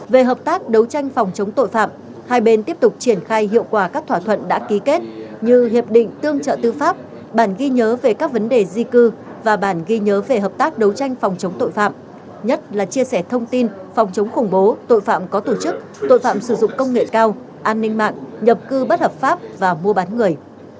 về hợp tác đấu tranh phòng chống tội phạm hai bên tiếp tục triển khai hiệu quả các thỏa thuận đã ký kết như hiệp định tương trợ tư pháp bản ghi nhớ về các vấn đề di cư và bản ghi nhớ về hợp tác đấu tranh phòng chống tội phạm nhất là chia sẻ thông tin phòng chống khủng bố tội phạm có tổ chức tội phạm sử dụng công nghệ cao an ninh mạng nhập cư bất hợp pháp và mua bán người